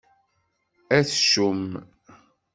Atcum!